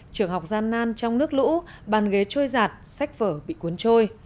trường học gian nan trong nước lũ bàn ghế trôi giạt sách vở bị cuốn trôi